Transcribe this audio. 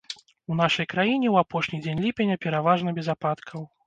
У нашай краіне ў апошні дзень ліпеня пераважна без ападкаў.